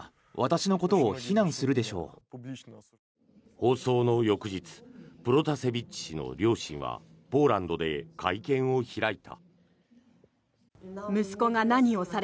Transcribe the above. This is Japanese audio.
放送の翌日プロタセビッチ氏の両親はポーランドで会見を開いた。